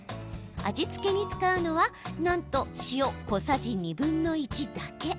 味付けに使うのはなんと塩、小さじ２分の１だけ。